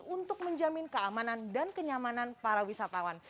untuk menjamin keamanan dan kenyamanan para wisatawan